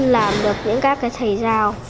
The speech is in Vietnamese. làm được những các cái thầy giáo